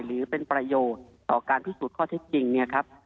หรือเป็นประโยชน์ต่อการพิสูจน์ข้อเท็จจริงเนี่ยครับ